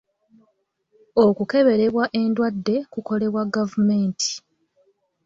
Okukeberebwa endwadde kukolebwa gavumenti.